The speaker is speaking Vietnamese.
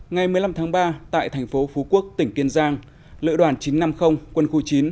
ngày một mươi năm tháng ba tại tp phú quốc tỉnh kiên giang lựa đoàn chín trăm năm mươi quân khu chín